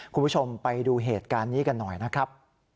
คุณผู้ชมไปดูเหตุการณ์นี้กันหน่อยนะครับ